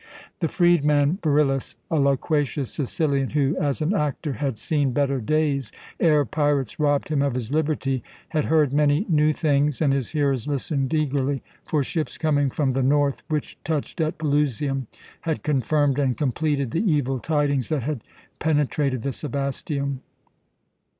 The freedman Beryllus, a loquacious Sicilian, who, as an actor, had seen better days ere pirates robbed him of his liberty, had heard many new things, and his hearers listened eagerly; for ships coming from the north, which touched at Pelusium, had confirmed and completed the evil tidings that had penetrated the Sebasteum.